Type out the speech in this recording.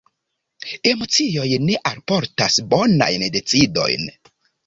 Emocioj ne alportas bonajn decidojn.